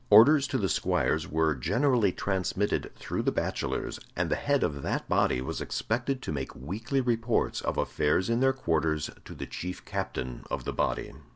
Orders to the squires were generally transmitted through the bachelors, and the head of that body was expected to make weekly reports of affairs in their quarters to the chief captain of the body.